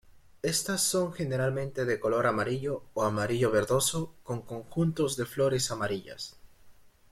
Estas son generalmente de color amarillo o amarillo verdoso con conjuntos de flores amarillas.